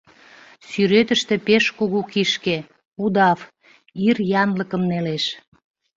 Сӱретыште пеш кугу кишке — удав — ир янлыкым нелеш.